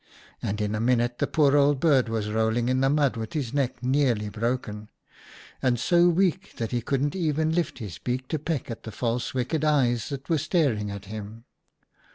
— and in a minute the poor old bird was rolling in the mud with his neck nearly broken, and so weak that he couldn't even lift his beak to peck at the false wicked eyes that were staring at him.